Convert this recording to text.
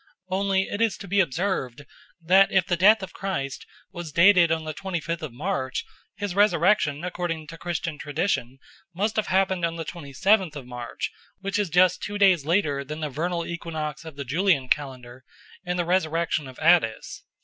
Only it is to be observed that if the death of Christ was dated on the twenty fifth of March, his resurrection, according to Christian tradition, must have happened on the twenty seventh of March, which is just two days later than the vernal equinox of the Julian calendar and the resurrection of Attis.